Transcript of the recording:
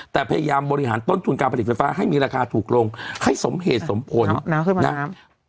แต่พยายามบริหารต้นทุนการผลิตไฟฟ้าให้มีราคาถูกลงให้สมเหตุสมผลน้ำขึ้นมาน้ำ